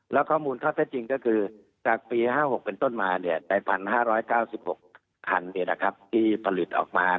แล้วข้อมูลข้อเท็จจริงก็คือจากปี๕๖เป็นต้นมาใน๑๕๙๖คันที่ผลิตออกมา